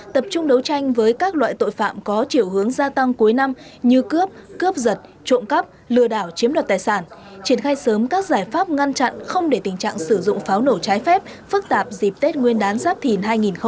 tập trung đấu tranh với các loại tội phạm có chiều hướng gia tăng cuối năm như cướp cướp giật trộm cắp lừa đảo chiếm đoạt tài sản